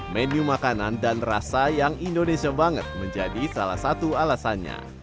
menu makanan dan rasa yang indonesia banget menjadi salah satu alasannya